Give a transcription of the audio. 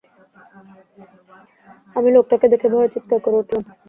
আমি লোকটাকে দেখে ভয়ে চিৎকার করে উঠলাম।